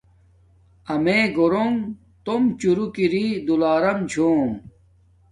امیے گورنݣ توم چوروک اری دولارم چھوم